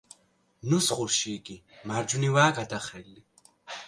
ნუსხურში იგი მარჯვნივაა გადახრილი.